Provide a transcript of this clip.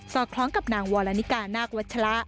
ซอดคล้องกับนางวอลานิกานาควัชระ